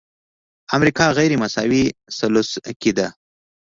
امریکا غیرمساوي ثلث کې ده.